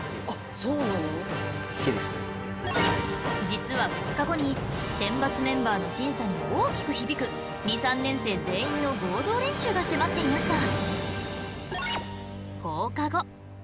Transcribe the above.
実は２日後に選抜メンバーの審査に大きく響く２３年生全員の合同練習が迫っていました。